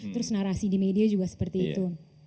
terus narasi di media juga seperti itu